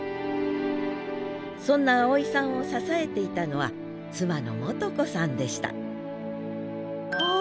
そんな青井さんを支えていたのは妻の元子さんでしたあっ